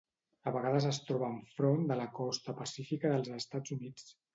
A vegades es troba enfront de la costa pacífica dels Estats Units.